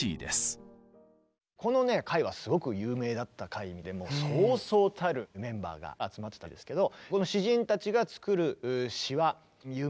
このね会はすごく有名だった会でそうそうたるメンバーが集まってたんですけど。